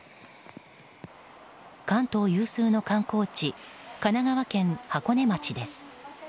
関東有数の観光地神奈川県箱根町です。